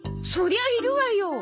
そりゃいるわよ。